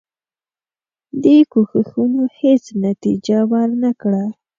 دې کوښښونو هیڅ نتیجه ورنه کړه.